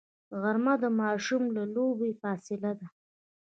غرمه د ماشوم له لوبو فاصله ده